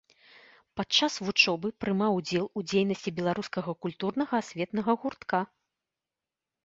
Падчас вучобы прымаў удзел у дзейнасці беларускага культурна-асветнага гуртка.